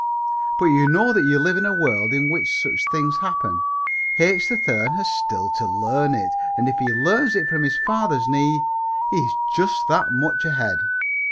But you know that you live in a world in which such things happen. H. 3rd has still to learn it, and if he learns it at his father's knee he is just that much ahead.